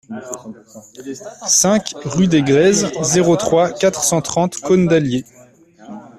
cinq rue des Grèzes, zéro trois, quatre cent trente Cosne-d'Allier